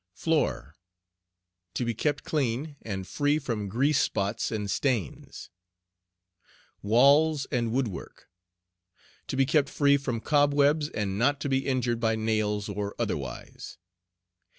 FLOOR. To be kept clean, and free from grease spots and stains. WALLS AND WOOD WORK. To be kept free from cobwebs, and not to be injured by nails or otherwise.